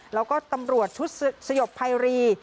แล้วก็ตำรวจชุดสยบภัยรี